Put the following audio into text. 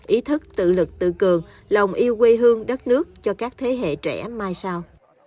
ý thức tự lực tự cường lòng yêu quê hương đất nước cho các thế hệ trẻ mai sau